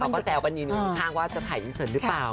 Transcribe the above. ก็แซวกันยืนอยู่ข้างว่าจะถ่ายอินเสิร์ตหรือเปล่า